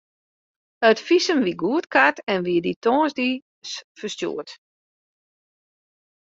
It fisum wie goedkard en wie dy tongersdeis ferstjoerd.